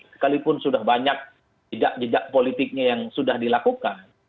sekalipun sudah banyak jejak jejak politiknya yang sudah dilakukan